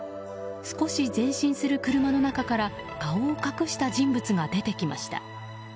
少し前進する車の中から顔を隠した人物が出てきました。